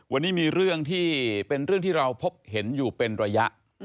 วันนี้มีเรื่องที่เป็นเรื่องที่เราพบเห็นอยู่เป็นระยะ